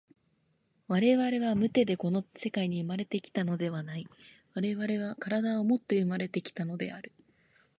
我々は無手でこの世界に生まれて来たのではない、我々は身体をもって生まれて来たのである。